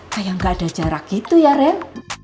kayak nggak ada jarak gitu ya ren